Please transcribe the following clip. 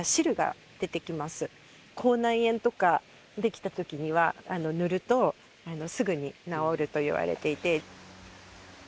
口内炎とか出来たときには塗るとすぐに治るといわれていて。